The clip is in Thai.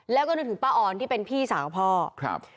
แล้วก็นึกถึงป้าออนที่เป็นพี่สาวพ่อครับ